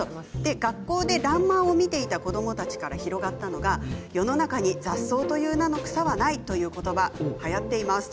学校で「らんまん」を見ていた子どもたちから広がったのが世の中に雑草という名の草はないという言葉、はやっています。